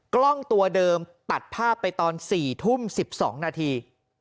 กล้องตัวเดิมตัดภาพไปตอน๔ทุ่ม๑๒นาที